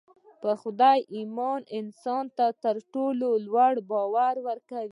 پر خدای ايمان انسان ته تر ټولو لوی باور ورکوي.